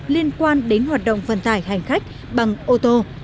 liên quan đến hoạt động vận tải hành khách bằng ô tô